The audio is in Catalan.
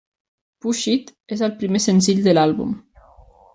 "Push It" és el primer senzill de l'àlbum.